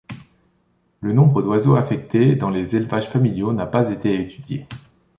Le nombre d'oiseaux affectés dans les élevages familiaux n'a pas été étudié.